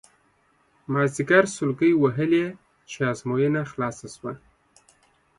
مازیګر سلګۍ وهلې چې ازموینه خلاصه شوه.